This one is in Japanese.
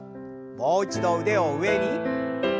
もう一度腕を上に。